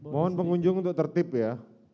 mohon pengunjung untuk tertip ya